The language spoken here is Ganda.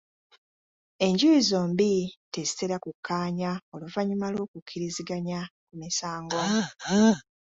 Enjuyi zombi tezitera kukkaanya oluvannyuma lw'okukkiriziganya ku misango.